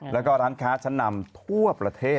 แล้วก็ร้านค้าชั้นนำทั่วประเทศ